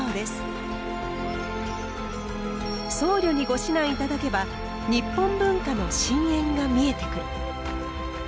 僧侶にご指南頂けば日本文化の深淵が見えてくる。